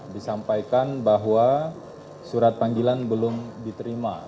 disampaikan bahwa surat panggilan belum diterima